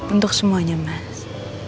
untuk semuanya mas